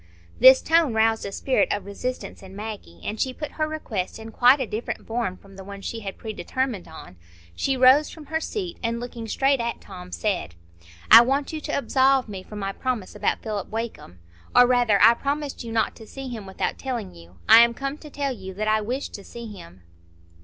This tone roused a spirit of resistance in Maggie, and she put her request in quite a different form from the one she had predetermined on. She rose from her seat, and looking straight at Tom, said,— "I want you to absolve me from my promise about Philip Wakem. Or rather, I promised you not to see him without telling you. I am come to tell you that I wish to see him."